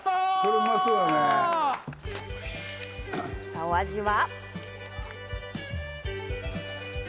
さぁ、お味は？